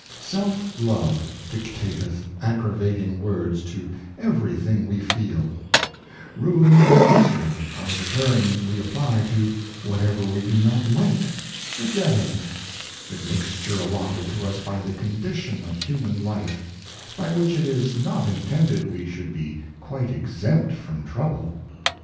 Self love dictateth aggravating words to every thing we feel ; Rmrie and Misery are the Terms we apply to whatever we do not like, forgetting 12 Advice to a Daughter. forgetting the Mixture allotted to us by the Condition of Human Life, by which it is not intended we should be quite exempt from trouble.